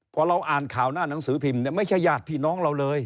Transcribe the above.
พอเราอ่านข่าวหน้าหนังสือพิมพ์ไม่ใช่ญาติพี่น้องเราเลย